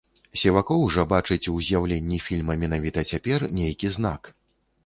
Сівакоў жа бачыць у з'яўленні фільма менавіта цяпер нейкі знак.